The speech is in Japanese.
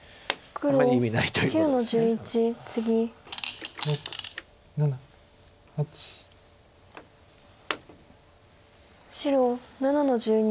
黒８の十二。